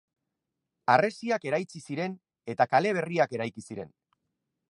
Harresiak eraitsi ziren eta kale berriak eraiki ziren.